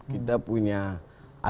kita punya ada aturan